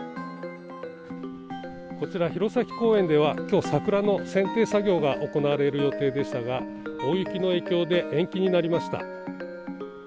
こちら、弘前公園では、きょう、桜のせんてい作業が行われる予定でしたが、大雪の影響で延期になりました。